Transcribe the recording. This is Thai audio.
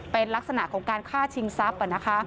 เป็นลักษณะของการฆ่าชิงทรัพย์